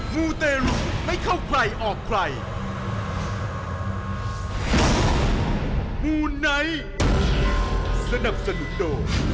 มูไนท์สนับสนุนโด